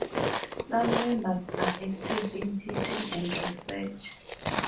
Some members are active in teaching and research.